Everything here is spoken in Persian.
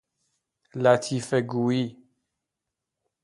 لطیفه گویی